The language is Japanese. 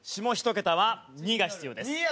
下１桁は２が必要です。